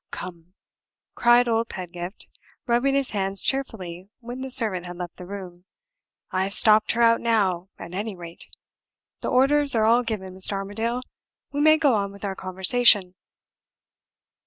Come!" cried old Pedgift, rubbing his hands cheerfully when the servant had left the room, "I've stopped her out now, at any rate! The orders are all given, Mr. Armadale. We may go on with our conversation."